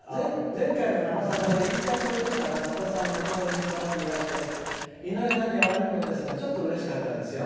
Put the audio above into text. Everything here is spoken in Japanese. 前回の「生さだ」で飯塚プロデューサーがさださんのお隣に座っていらして井上さんには申し訳ないのですがちょっとうれしかったですよ。